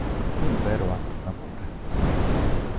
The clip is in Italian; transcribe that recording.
Un vero atto d'amore.